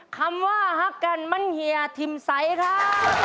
คำว่าฮักกันมันเฮียทิมใสครับ